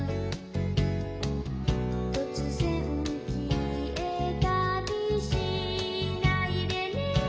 「突然消えたりしないでね」